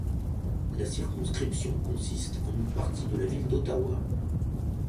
La circonscription consiste en une partie de la ville d'Ottawa.